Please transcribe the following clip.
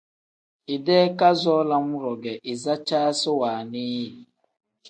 Idee kazoo lam-ro ge izicaasi wannii yi.